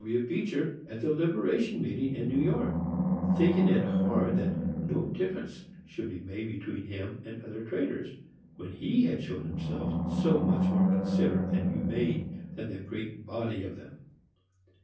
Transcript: W. Beecher at the liberation meeting in New York, thinking it hard that no difference should be made between him and other traders, when he had shown himself so much more considerate and humane than the great body of them.